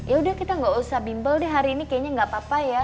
yaudah kita ga usah bimbel deh hari ini kayaknya ga apa apa ya